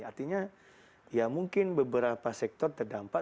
artinya ya mungkin beberapa sektor terdampak